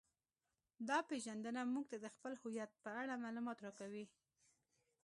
دا پیژندنه موږ ته د خپل هویت په اړه معلومات راکوي